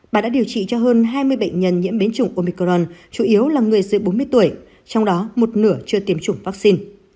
bà đã điều trị cho hơn hai mươi bệnh nhân nhiễm biến chủng omicron chủ yếu là người dưới bốn mươi tuổi trong đó một nửa chưa tiêm chủng vaccine